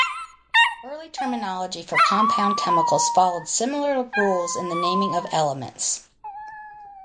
Early terminology for compound chemicals followed similar rules to the naming of elements.